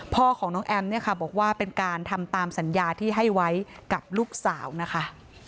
พ่อของน้องแอมเนี่ยค่ะบอกว่าเป็นการทำตามสัญญาที่ให้ไว้กับลูกสาวนะคะ